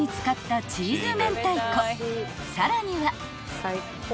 ［さらには］